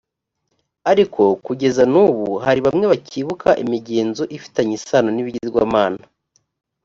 ariko kugeza n’ubu hari bamwe bacyibuka imigenzo ifitanye isano n’ibigirwamana